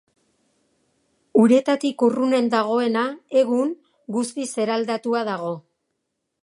Uretatik urrunen dagoena egun guztiz eraldatua dago.